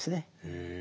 へえ。